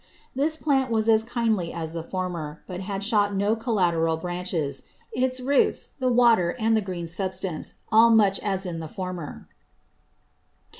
This Plant was as kindly as the former, but had shot no collateral Branches. Its Roots, the Water, and the green Substance, all much as in the former.